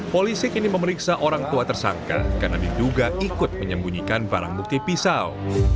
polisi kini memeriksa orang tua tersangka karena diduga ikut menyembunyikan barang bukti pisau